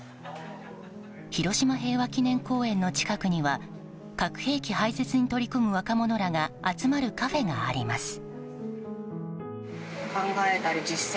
広島平和記念公園の近くには核兵器廃絶に取り組む若者らが集まるカフェがあります。